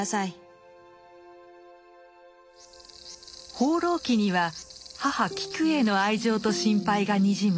「放浪記」には母・キクへの愛情と心配がにじむ